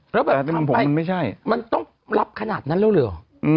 แต่ผ่านไปมันต้องรับขนาดนั้นแล้วหรืออ่อ